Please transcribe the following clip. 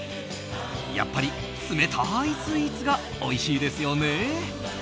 やっぱり冷たいスイーツがおいしいですよね。